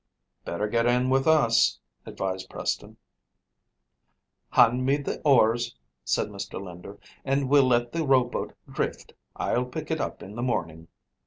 "Better get in with us," advised Preston. "Hand me the oars," said Mr. Linder, "and we'll let the rowboat drift. I'll pick it up in the morning."